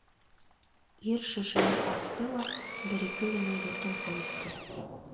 Ир шешәне асты ла бер-ике генә йотом һыу эсте.